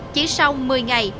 chỉ sau một mươi ngày